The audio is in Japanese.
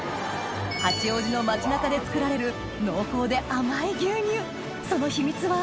八王子の街中で作られる濃厚で甘い牛乳その秘密は？